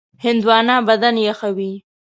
هندوانه بدن یخوي.